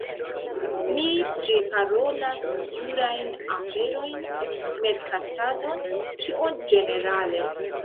Mi priparolas jurajn aferojn, merkatadon, ĉion ĝenerale